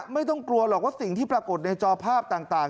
ไม่ต้องกลัวหรอกว่าสิ่งที่ปรากฏในจอภาพต่าง